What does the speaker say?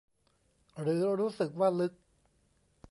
หรือรู้สึกว่าลึก